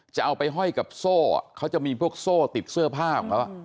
จะเอาไปห้อยกับโซ่เขาจะมีพวกโซ่ติดเสื้อผ้าของเขา